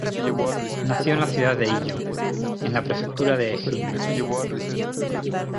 Nació en la Ciudad de Iyo, en la Prefectura de Ehime.